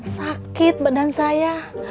sakit badan saya